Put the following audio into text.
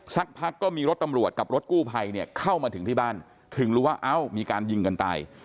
สักพักก็มีรถตำรวจกับรถกู้ภัยเนี่ยเข้ามาถึงที่บ้านถึงรู้ว่าเอ้ามีการยิงกันตาย